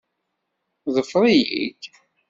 Ḍfer-iyi-d!